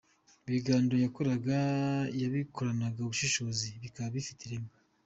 Ibiganiro yakoraga yabikoranaga ubushishozi, bikaba bifite ireme.